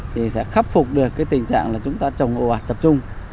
thì sẽ khắc phục được cái tình trạng là chúng ta trồng hộ hoạt tập trung